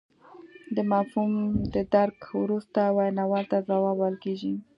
د مفهوم د درک وروسته ویناوال ته ځواب ویل کیږي